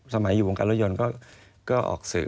สมัยอยู่วงการรถยนต์ก็ออกสื่อ